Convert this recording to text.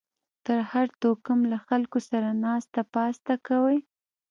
د هر توکم له خلکو سره ناسته پاسته کوئ